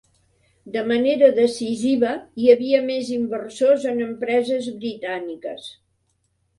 De manera decisiva, hi havia més inversors en empreses britàniques.